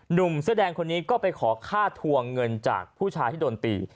หนุ่มเสื้อแดงคนนี้ก็ไปขอค่าทวงเงินจากผู้ชายที่โดนตี